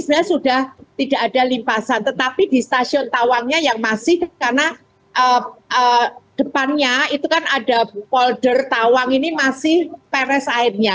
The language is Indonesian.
ini sudah tidak ada limpasan tetapi di stasiun tawangnya yang masih karena depannya itu kan ada folder tawang ini masih peres airnya